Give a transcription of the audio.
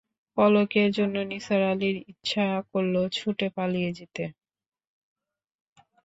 পলকের জন্যে নিসার আলির ইচ্ছা করল ছুটে পালিয়ে যেতে।